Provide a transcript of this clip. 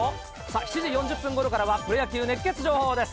７時４０分ごろからはプロ野球熱ケツ情報です。